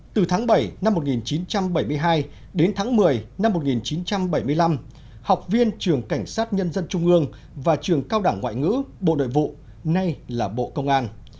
từ tháng bảy năm một nghìn chín trăm bảy mươi hai đến tháng một mươi năm một nghìn chín trăm bảy mươi năm học viên trường cảnh sát nhân dân trung ương và trường cao đảng ngoại ngữ bộ nội vụ nay là bộ công an